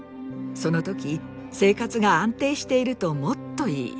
その時生活が安定しているともっといい。